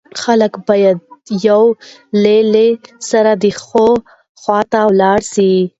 خلک بايد يو له له سره د ښو خوا ته ولاړ سي